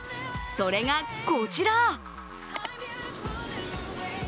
それがこちら。